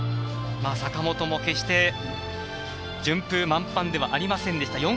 坂本も決して順風満帆ではありませんでした。